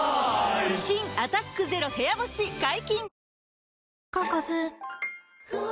新「アタックＺＥＲＯ部屋干し」解禁‼